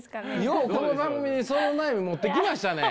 ようこの番組にその悩み持ってきましたね！